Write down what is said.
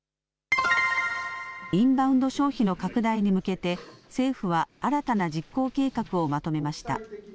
インバウンド消費の拡大に向けて政府は新たな実行計画をまとめました。